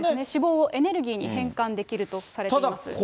脂肪をエネルギーに変換できるとされています。